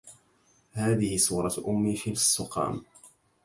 هذه صورة أمي في السقام